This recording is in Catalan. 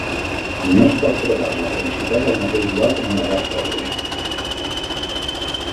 No es pot trobar la felicitat al mateix lloc on la vas perdre.